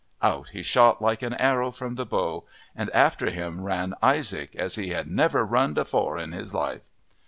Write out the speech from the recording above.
Out he shot like an arrow from the bow, and after him ran Isaac "as he had never runned afore in all his life."